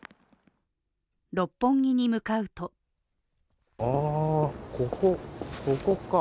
六本木に向かうとここか。